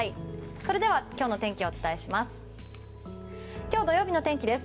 それでは今日の天気をお伝えします。